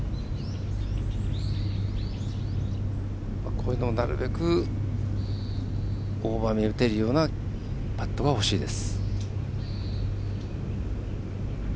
こういうのをなるべくオーバー目に打てるようなパットがほしいです。